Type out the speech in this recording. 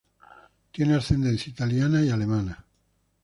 Tiene ascendencia italiana y alemana.